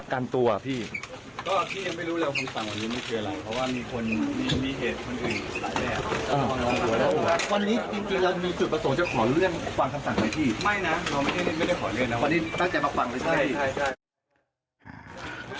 ไม่นะเราไม่ได้ขอเรื่องนะวันนี้น่าจะมาฟังไว้ใช่ไหม